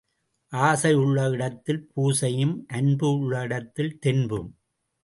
ஆசை உள்ள இடத்தில் பூசையும் அன்பு உள்ள இடத்தில் தென்பும்.